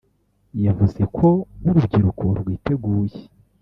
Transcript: yavuze ko nk’urubyiruko rwiteguye